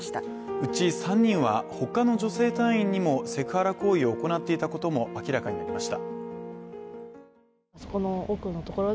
うち３人は、他の女性隊員にもセクハラ行為を行っていたことも明らかになりました。